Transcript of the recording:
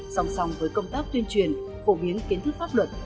song song với công tác tuyên truyền phổ biến kiến thức pháp luật